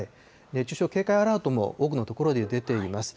熱中症警戒アラートも多くの所で出ています。